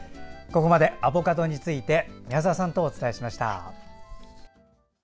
ここまでアボカドについて宮澤さんとお伝えしました。